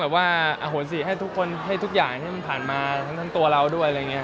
แบบว่าฮพสิทธิ์ให้ทุกคนให้ทุกอย่างให้มันผ่านมาตัวเราด้วยไรเงี้ย